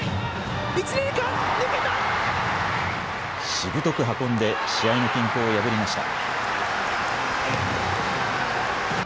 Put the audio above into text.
しぶとく運んで試合の均衡を破りました。